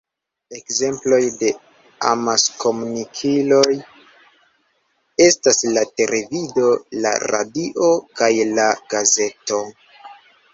Ekzemploj de amaskomunikiloj estas la televido, la radio, kaj la gazeto.